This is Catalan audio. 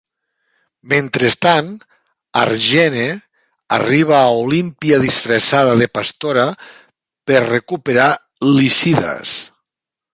Mentrestant, Argene arriba a Olímpia disfressada de pastora, per recuperar Lycidas.